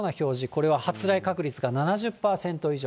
これは発雷確率が７０％以上。